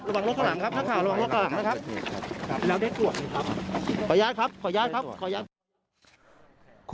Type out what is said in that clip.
ขออนุญาตครับขออนุญาตครับขออนุญาตครับ